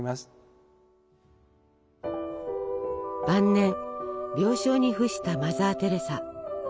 晩年病床に伏したマザー・テレサ。